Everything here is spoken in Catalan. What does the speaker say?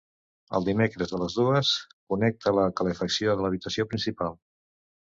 Els dimecres a les dues connecta la calefacció de l'habitació principal.